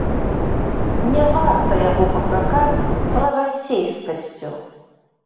Не варта яго папракаць прарасейскасцю.